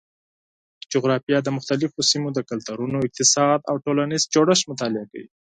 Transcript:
جغرافیه د مختلفو سیمو د کلتورونو، اقتصاد او ټولنیز جوړښت مطالعه کوي.